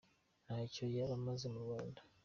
Ntacyo yaba amaze mu Rwanda.